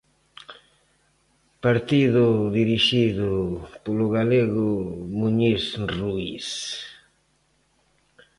Partido dirixido polo galego Muñiz Ruiz.